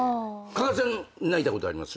加賀さん泣いたことあります？